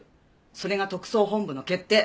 それが特捜本部の決定。